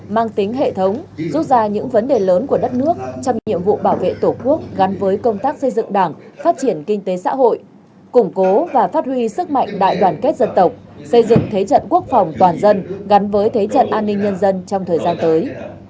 mang tính hệ thống rút ra những vấn đề lớn của đất nước trong nhiệm vụ bảo vệ tổ quốc gắn với công tác xây dựng đảng phát triển kinh tế xã hội củng cố và phát huy sức mạnh đại đoàn kết dân tộc xây dựng thế trận quốc phòng toàn dân gắn với thế trận an ninh nhân dân trong thời gian tới